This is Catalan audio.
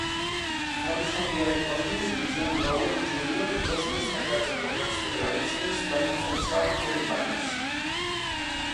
Harrison Gray Otis i John Lowell Junior, dos destacats advocats federalistes, van defensar Fairbanks.